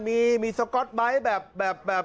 มีสก๊อตไบท์แบบ